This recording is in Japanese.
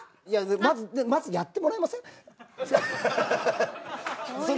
いやまずやってもらいません？